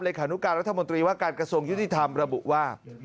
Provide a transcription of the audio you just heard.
ขานุการรัฐมนตรีว่าการกระทรวงยุติธรรมระบุว่า